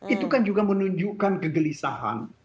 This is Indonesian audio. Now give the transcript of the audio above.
itu kan juga menunjukkan kegelisahan